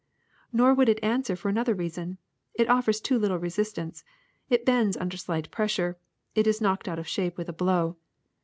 *'Nor would it answer for another reason : it offers too little resistance, it bends under slight pressure, it is knocked out of shape with a blow.